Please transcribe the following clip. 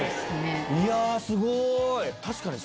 いやすごい！